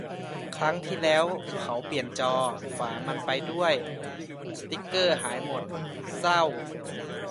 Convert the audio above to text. ครั้งที่แล้วเขาเปลี่ยนจอ ฝามันไปด้วย สติกเกอร์หายหมด เศร้า